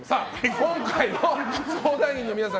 今回の相談員の皆さん